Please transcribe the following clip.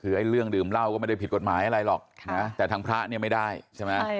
คือไอ้เรื่องดื่มเหล้าก็ไม่ได้ผิดกฎหมายอะไรหรอกนะแต่ทางพระเนี่ยไม่ได้ใช่ไหม